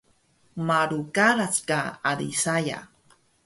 Malu karac ka ali saya